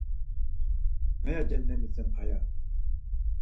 Naya cenemis ren aya?